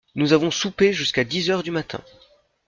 Nous avons soupé jusqu'à dix heures du matin.